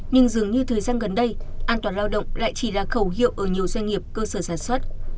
nhưng dường như thời gian gần đây an toàn lao động lại chỉ là khẩu hiệu ở nhiều doanh nghiệp cơ sở sản xuất